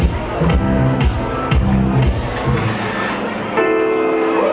ไม่ต้องถามไม่ต้องถาม